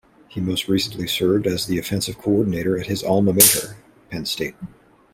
He most recently served as the offensive coordinator at his alma mater, Penn State.